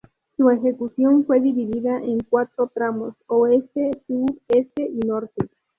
Su ejecución fue dividida en cuatro tramos, Oeste, Sur, Este y Norte.